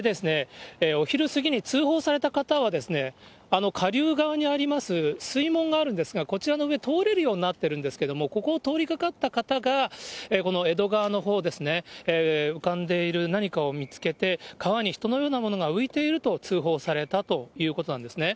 お昼過ぎに通報された方は、下流側にあります水門があるんですが、こちらの上、通れるようになってるんですけれども、ここを通りかかった方が、この江戸川のほうですね、浮かんでいる何かを見つけて、川に人のようなものが浮いていると、通報されたということなんですね。